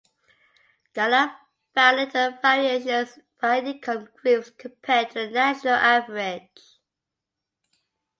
Gallup found little variations by income groups compared to the national average.